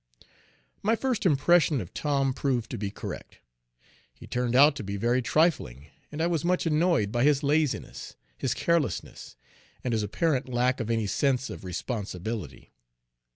My first impression of Tom proved to be correct. He turned out to be very trifling, and I was much annoyed by his laziness, his carelessness, and his apparent lack of any sense of responsibility.